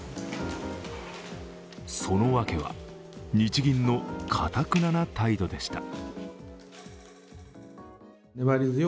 その訳は、日銀のかたくなな態度でした。